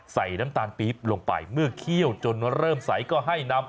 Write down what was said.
น้ำตาลปี๊บลงไปเมื่อเคี่ยวจนเริ่มใสก็ให้นำ